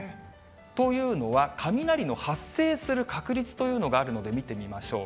というのは、雷の発生する確率というのがあるので見てみましょう。